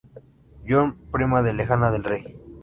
John, prima lejana del Rey.